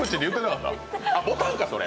あっ、ボタンか、それ。